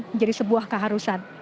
dan ini menjadi sebuah keharusan